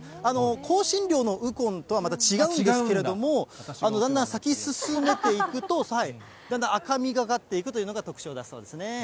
香辛料のウコンとはまた違うんですけれども、だんだん咲き進めていくと、だんだん赤みがかっていくというのが特徴だそうですね。